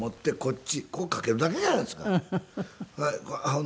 はい。